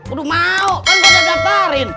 aduh mau kan udah daftarin